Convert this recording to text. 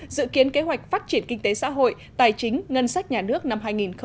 dự kiến kế hoạch phát triển kinh tế xã hội tài chính ngân sách nhà nước năm hai nghìn hai mươi